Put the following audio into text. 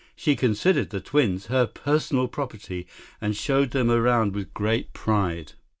She considered the twins her personal property and showed them around with great pride.